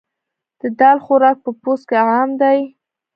د دال خوراک په پوځ کې عام دی.